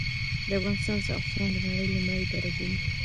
د افغانستان زعفران د نړې لمړی درجه دي.